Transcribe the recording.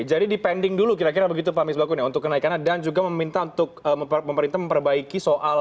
jadi dipending dulu kira kira begitu pak misbah kun ya untuk kenaikan dan juga meminta untuk pemerintah memperbaiki soal data